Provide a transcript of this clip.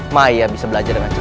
maya bisa belajar dengan cepat